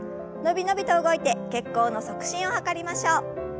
伸び伸びと動いて血行の促進を図りましょう。